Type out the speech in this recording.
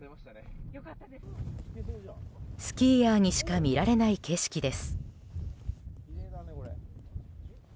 スキーヤーにしか見られない景色です。